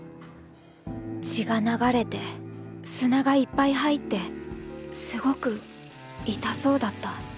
血が流れて砂がいっぱい入ってすごく痛そうだった。